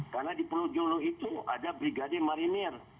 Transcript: karena di pulau jolo itu ada brigade marinir